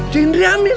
si indri hamil